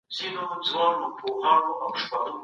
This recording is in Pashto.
ایا د سهار په وخت کي د تودو اوبو غسل د بدن درد کموي؟